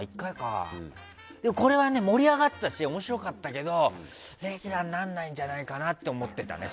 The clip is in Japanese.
これは盛り上がったし面白かったけどレギュラーにならないんじゃないかなと思ってたね。